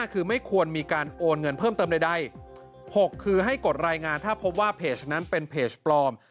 คือไม่ควรมีการโอนเงินเพิ่มเติมใด๖คือให้กดรายงานถ้าพบว่าเพจนั้นเป็นเพจปลอม